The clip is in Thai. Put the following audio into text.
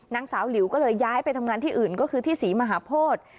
นางสาวหลิวก็เลยย้ายไปทำงานที่อื่นก็คือที่ศรีมหาโพธิ